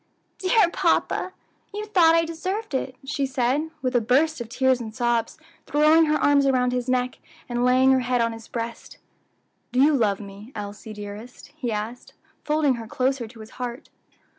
"Dear papa, you thought I deserved it," she said, with a burst of tears and sobs, throwing her arms around his neck, and laying her head on his breast. "Do you love me, Elsie, dearest?" he asked, folding her closer to his heart.